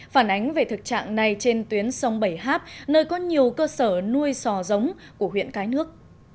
phản ánh về thực trạng này trên tuyến sông bảy h nơi có nhiều cơ sở nuôi sò giống của huyện cái nước